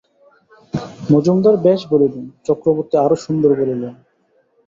মজুমদার বেশ বলিলেন, চক্রবর্তী আরও সুন্দর বলিলেন।